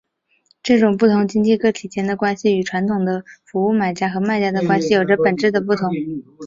这种不同经济个体间的关系与传统的服务买家和卖家的关系有着本质的不同。